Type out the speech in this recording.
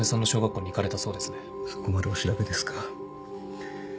そこまでお調べですか。